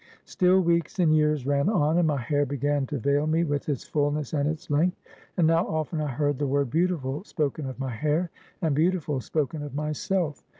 "Still, weeks and years ran on, and my hair began to vail me with its fullness and its length; and now often I heard the word beautiful, spoken of my hair, and beautiful, spoken of myself.